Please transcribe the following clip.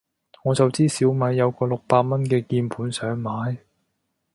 我就知小米有個六百蚊嘅鍵盤想買